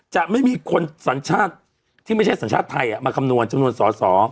จะไม่มีคนสัญชาติที่ไม่ใช่สัญชาติไทยมาคำนวณจำนวนสอสอ